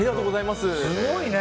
すごいね。